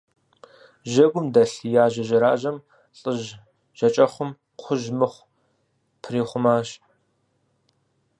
Жьэгум дэлъ яжьэ жьэражьэм лӏыжь жьакӏэхум кхъужь мыхъу пэрихъумащ.